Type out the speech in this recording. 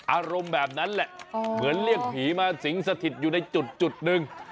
อารมณ์แบบนั้นแหละเหมือนเรียกผีมาสิงสถิตอยู่ในจุดหนึ่ง